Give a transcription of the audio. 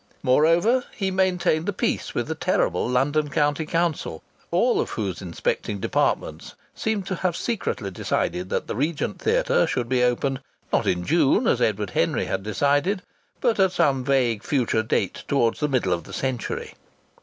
Moreover, he had maintained the peace with the terrible London County Council, all of whose inspecting departments seemed to have secretly decided that the Regent Theatre should be opened, not in June as Edward Henry had decided, but at some vague future date towards the middle of the century.